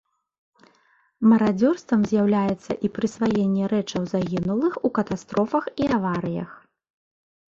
Марадзёрствам з'яўляецца і прысваенне рэчаў загінулых у катастрофах і аварыях.